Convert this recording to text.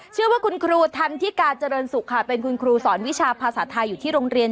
ชื่อว่าคุณครูทันทิกาเจริญสุขค่ะเป็นคุณครูสอนวิชาภาษาไทยอยู่ที่โรงเรียน